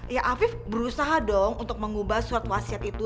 ya afif berusaha dong untuk mengubah surat wasiat itu